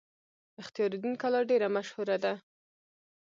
اختیار الدین کلا ډیره مشهوره ده